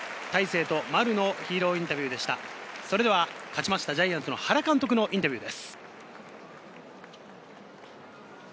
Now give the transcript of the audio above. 勝ちましたジャイアンツの原監督のインタビューです。